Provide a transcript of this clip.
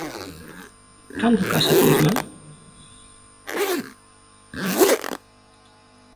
Cando casa túa irmá?